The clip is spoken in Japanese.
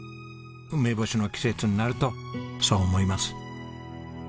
梅干しの季節になるとそう思います。